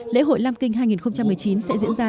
lễ hội lam kinh hai nghìn một mươi chín sẽ diễn ra